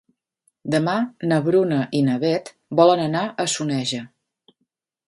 Demà na Bruna i na Beth volen anar a Soneja.